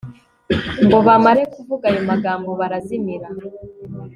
ngo bamare kuvuga ayo magambo, barazimira